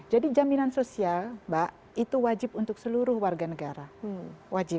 jadi jaminan sosial mbak itu wajib untuk seluruh warga negara wajib